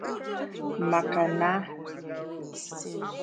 maka na